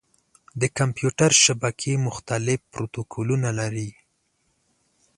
د کمپیوټر شبکې مختلف پروتوکولونه لري.